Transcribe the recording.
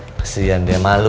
kesian dia malu